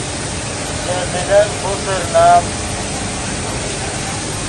ژے زلن پوسر نام